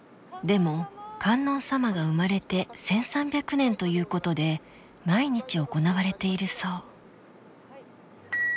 でも観音さまが生まれて１，３００年ということで毎日行われているそう。